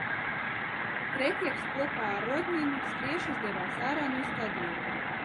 Tretjaks kopā ar Rodņinu skriešus devās ārā no stadiona.